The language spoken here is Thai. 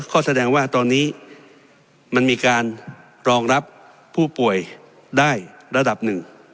ก็แสดงว่าตอนนี้มันมีการรองรับผู้ป่วยได้ระดับหนึ่ง